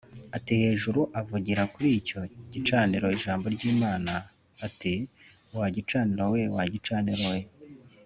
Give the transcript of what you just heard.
Atera hejuru avugira kuri icyo gicaniro ijambo ry’Imana ati “Wa gicaniro we, wa gicaniro we